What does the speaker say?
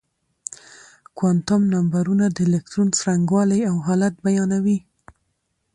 کوانتم نمبرونه د الکترون څرنګوالی او حالت بيانوي.